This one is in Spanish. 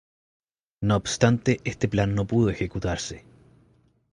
No obstante, este plan no pudo ejecutarse.